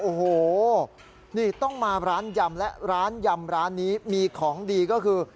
โอ้โหนี่ต้องมาร้านยำและร้านยำร้านนี้มีของดีก็คือ